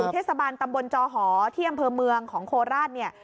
ถือเทศบาลตำบลจอหอเที่ยงเผอร์เมืองของโคราชเนี่ย